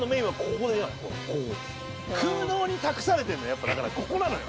やっぱだからここなのよ。